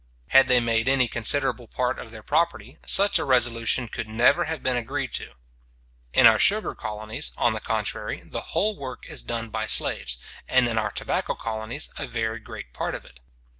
Had they made any considerable part of their property, such a resolution could never have been agreed to. In our sugar colonies., on the contrary, the whole work is done by slaves, and in our tobacco colonies a very great part of it.